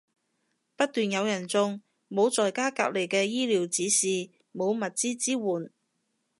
不斷有人中，冇在家隔離嘅醫療指示，冇物資支援